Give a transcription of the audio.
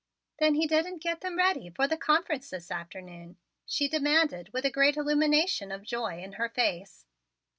"Then he didn't get them ready for the conference this afternoon?" she demanded with a great illumination of joy in her face.